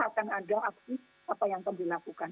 akan ada aksi apa yang akan dilakukan